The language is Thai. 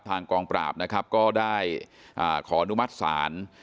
ทางกองปราบก็ได้ขออนุมัติศาล